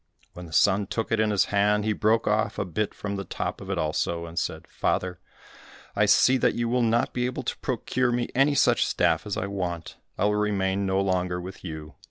When the son took it in his hand, he broke off a bit from the top of it also, and said, "Father, I see that you will not be able to procure me any such staff as I want, I will remain no longer with you."